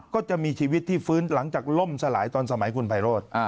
ก็จะมีชีวิตที่ฟื้นหลังจากล่มสลายตอนสมัยคุณไพโรธ